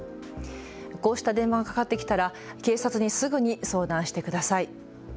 こうした電話がかかってきたら警察にすぐに相談してください。